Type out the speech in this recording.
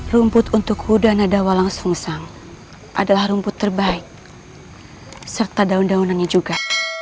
rumput untuk kuda nadawalangsungsang adalah rumput terbaik serta daun daunannya juga